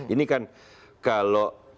ini kan kalau